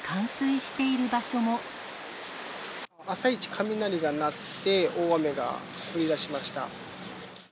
朝一、雷が鳴って大雨が降りだしました。